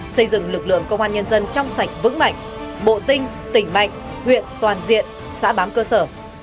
xây dựng lực lượng công an nhân dân trong sạch vững mạnh bộ tinh tỉnh mạnh huyện toàn diện xã bám cơ sở